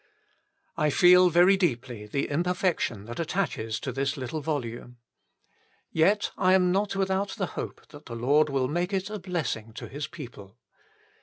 I feel very deeply the imperfection that attaches to this little volume. Yet I am not without the hope that the Lord will make it a blessing to His people.